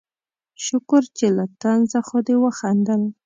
شکر چې له طنزه خو دې وخندل